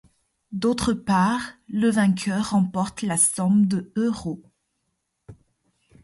D'autre part, le vainqueur remporte la somme de euros.